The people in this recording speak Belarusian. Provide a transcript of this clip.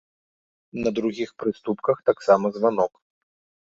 На другіх прыступках таксама званок.